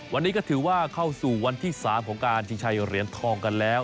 วันนี้ก็ถือว่าเข้าสู่วันที่๓ของการชิงชัยเหรียญทองกันแล้ว